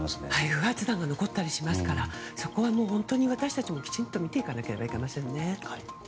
不発弾が残ったりしますからそこは本当に私たちも、きちんと見ていかなければいけませんね。